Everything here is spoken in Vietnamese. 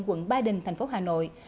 quận ba đình thành phố hà nội